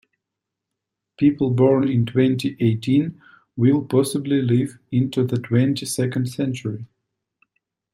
People born in twenty-eighteen will possibly live into the twenty-second century.